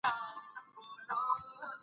د حق په رڼا کي هر څه سم ښکاري.